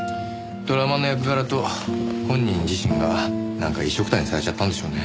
ドラマの役柄と本人自身がなんか一緒くたにされちゃったんでしょうね。